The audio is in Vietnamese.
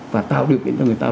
và tạo điều kiện cho người ta